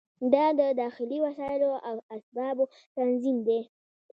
دا د داخلي وسایلو او اسبابو تنظیم دی.